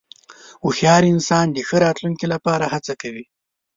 هوښیار انسان د ښه راتلونکې لپاره هڅه کوي.